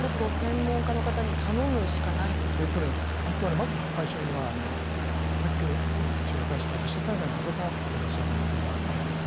本当はまず最初にはさっきも紹介した土砂災害のハザードマップっていうのを調べる必要があるんです。